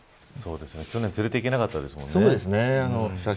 去年連れていけなかったですものね。